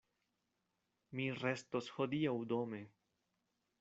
Mi restos hodiaŭ dome.